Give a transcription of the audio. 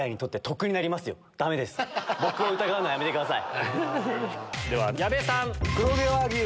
ダメです僕を疑うのはやめてください。